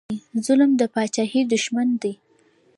ظلم د پاچاهۍ دښمن دی